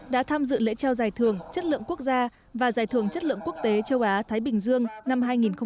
đã tham dự lễ treo giải thưởng chất lượng quốc gia và giải thưởng chất lượng quốc tế châu á thái bình dương năm hai nghìn một mươi tám